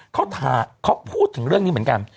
เขาพูดถึงเรื่องนี้เหมือนกัน